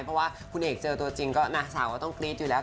เพราะว่าคุณเอกเจอตัวจริงก็น้าสาวก็ต้องกรี๊ดอยู่แล้ว